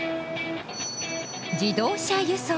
「自動車輸送」。